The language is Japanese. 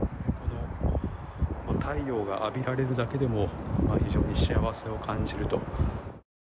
太陽が浴びられるだけでも非常に幸せを感じると。